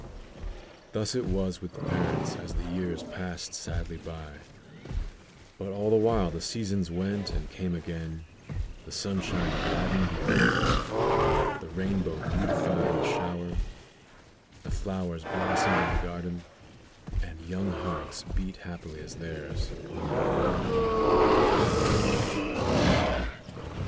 Thus it was with the parents as the years passed sadly by, but all the while the seasons went and came again; the sunshine gladdened the earth; the rainbow beautified the shower; the flowers blossomed in the garden; and young hearts beat happily as theirs upon their bridal day.